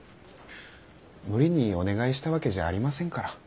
無理にお願いしたわけじゃありませんから。